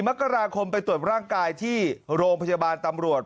มกราคมไปตรวจร่างกายที่โรงพยาบาลตำรวจ